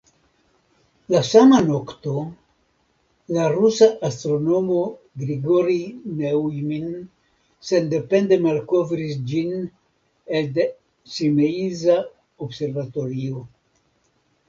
La sama nokto, la rusa astronomo Grigorij Neujmin sendepende malkovris ĝin elde Simeiza observatorio.